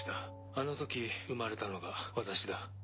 あの時生まれたのが私だ。